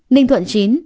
ninh thuận chín